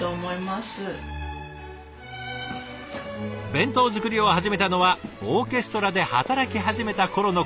弁当作りを始めたのはオーケストラで働き始めた頃のこと。